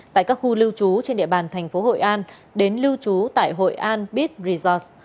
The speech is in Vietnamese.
tại các khu lưu trú trên địa bàn thành phố hội an đến lưu trú tại hội an bid resorts